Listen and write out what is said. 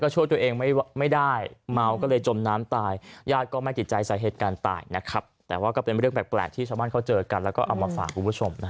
ช่วยตัวเองไม่ได้